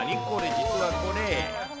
実はこれ。